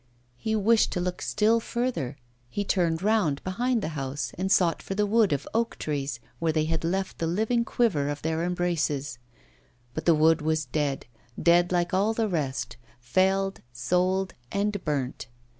He wished to look still further; he turned round behind the house, and sought for the wood of oak trees where they had left the living quiver of their embraces; but the wood was dead, dead like all the rest, felled, sold, and burnt!